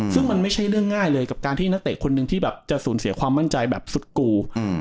ซึ่งมันไม่ใช่เรื่องง่ายเลยกับการที่นักเตะคนหนึ่งที่แบบจะสูญเสียความมั่นใจแบบสุดกู